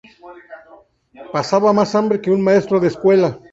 Pasaba más hambre que un maestro de escuela